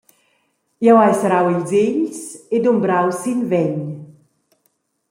Jeu hai serrau ils egls e dumbrau sin vegn.